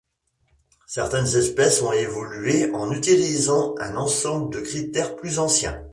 Certaines espèces ont été évaluées en utilisant un ensemble de critères plus anciens.